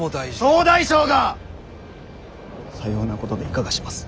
総大将がさようなことでいかがします。